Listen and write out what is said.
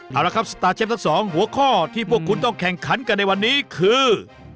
เอาละครับสตาร์เชฟทั้งสองหัวข้อที่พวกคุณต้องแข่งขันกันในวันนี้คือ